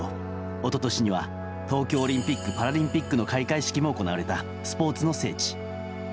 一昨年には東京オリンピック・パラリンピックの開会式も行われたスポーツの聖地。